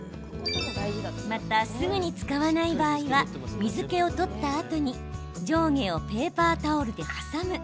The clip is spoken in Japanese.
また、すぐに使わない場合は水けを取ったあとに上下をペーパータオルで挟む。